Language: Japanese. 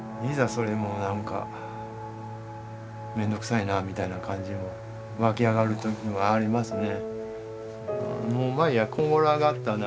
それもなんか面倒くさいなみたいな感じに湧き上がる時もありますね。